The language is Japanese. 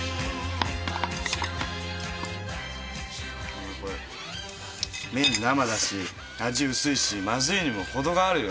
お前これ麺生だし味薄いしまずいにも程があるよ。